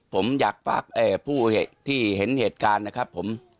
ผมอยากฝากผู้ที่เห็นเหตุการณ์นะครับผม